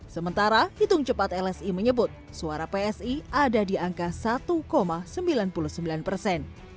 sementara hitung cepat lsi menyebut suara psi ada di angka satu sembilan puluh sembilan persen